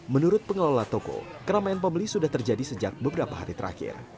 menurut pengelola toko keramaian pembeli sudah terjadi sejak beberapa hari terakhir